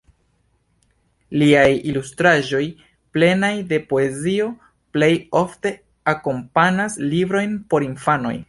Liaj ilustraĵoj, plenaj de poezio, plej ofte akompanas librojn por infanoj.